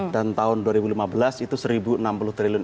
dan tahun dua ribu lima belas itu rp satu enam puluh triliun